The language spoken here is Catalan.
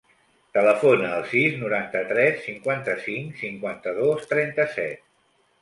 Telefona al sis, noranta-tres, cinquanta-cinc, cinquanta-dos, trenta-set.